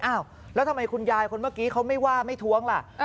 อ้าวแล้วทำไมคุณยายคนเมื่อกี้เขาไม่ว่าไม่ท้วงล่ะ